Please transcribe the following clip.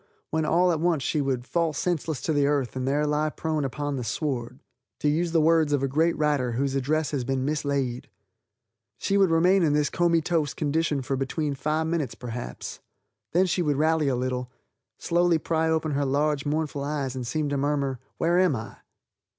when all at once she would "fall senseless to the earth and there lie prone upon the sward," to use the words of a great writer whose address has been mislaid. She would remain in this comytoes condition for between five minutes, perhaps. Then she would rally a little, slowly pry open her large, mournful eyes, and seem to murmur "Where am I?"